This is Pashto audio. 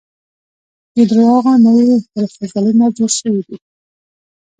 د درواغو نوي پرفوزلونه جوړ شوي دي.